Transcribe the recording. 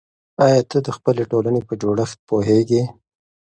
آیا ته د خپلې ټولنې په جوړښت پوهېږې؟